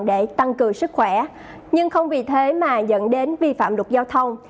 để tăng cường sức khỏe nhưng không vì thế mà dẫn đến vi phạm luật giao thông